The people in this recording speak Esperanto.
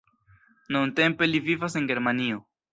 Nuntempe li vivas en Germanio.